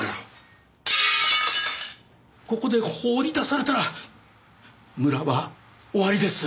ここで放り出されたら村は終わりです。